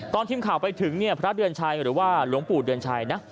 ตอนทีมข่าวไปถึงเนี่ยพระเดือนชัยหรือว่าหลวงปู่เดือนชัยนะ